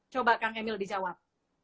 coba kang emil dijawab